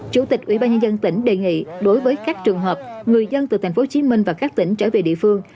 chủ tịch ủy ban nhân dân tỉnh đề nghị đối với các trường hợp người dân từ tp hcm và các tỉnh trở về địa phương